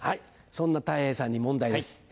そんなたい平さんに問題です。